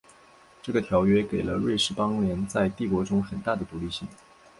这个条约给了瑞士邦联在帝国中的很大的独立性。